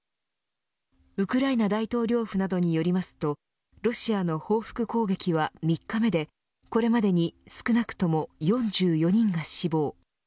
ウクライナ大統領府などによりますとロシアの報復攻撃は３日目でこれまでに少なくとも４４人が死亡。